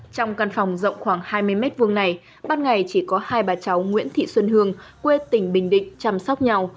trong căn phòng rộng khoảng hai mươi m hai này ban ngày chỉ có hai bà cháu nguyễn thị xuân hương quê tỉnh bình định chăm sóc nhau